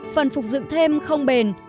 phần phục dựng thêm không bền